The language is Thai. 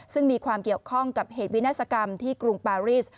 ซึ่งมีความเกี่ยวข้องกับเหตุวินาศกรรมที่กรุงปาริส